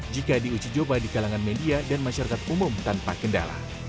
jika diuji coba di kalangan media dan masyarakat umum tanpa kendala